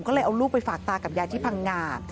ก็เลยเอาลูกไปฝากตากับยายที่พังงา